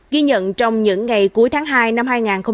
ghi nhận trong những ngày cuối tháng hai năm hai nghìn hai mươi